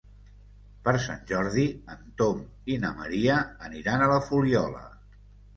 Per Sant Jordi en Tom i na Maria aniran a la Fuliola.